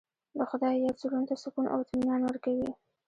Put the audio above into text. د خدای یاد زړونو ته سکون او اطمینان ورکوي.